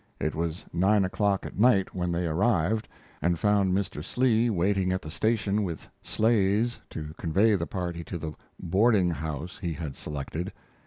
It was nine o'clock at night when they arrived, and found Mr. Slee waiting at the station with sleighs to convey the party to the "boarding house" he had selected.